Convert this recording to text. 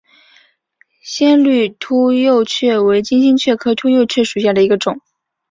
鲜绿凸轴蕨为金星蕨科凸轴蕨属下的一个种。